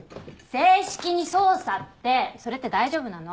正式に捜査ってそれって大丈夫なの？